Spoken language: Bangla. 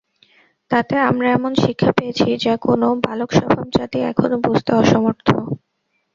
তাতে আমরা এমন শিক্ষা পেয়েছি, যা কোন বালকস্বভাব জাতি এখনও বুঝতে অসমর্থ।